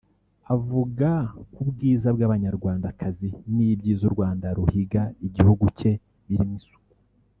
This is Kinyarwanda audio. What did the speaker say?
avuga ku bwiza bw’Abanyarwandakazi n’ibyiza u Rwanda ruhiga igihugu cye birimo isuku